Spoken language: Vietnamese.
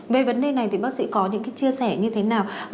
về vấn đề này thì bác sĩ có những chia sẻ như thế nào